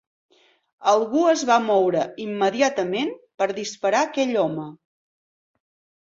Algú es va moure immediatament per disparar aquell home.